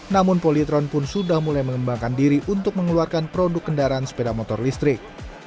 namun polytron pun sudah mulai mengembangkan diri untuk mengeluarkan produk kendaraan sepeda motor listrik